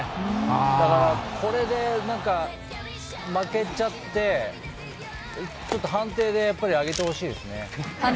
だから、これで負けちゃってちょっと判定であげてほしいですよね。